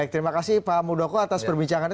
terima kasih pak muldoko atas perbincangannya